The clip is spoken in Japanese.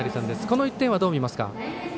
この１点はどう見ますか？